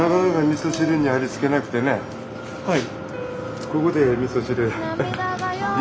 はい。